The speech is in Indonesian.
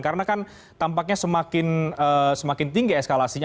karena kan tampaknya semakin tinggi eskalasinya